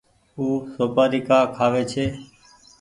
او سوپآري ڪآ کآوي ڇي۔